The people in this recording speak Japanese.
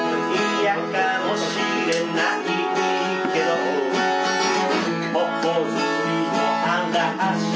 「嫌かもしれないけどほおずりの嵐」